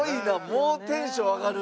もうテンション上がる！